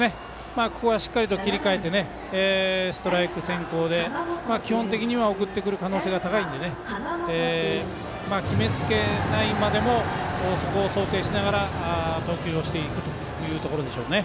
しっかりと切り替えてストライク先行で基本的には送ってくる可能性が高いので決めつけないまでもそこを想定しながら投球をしていくというところでしょうね。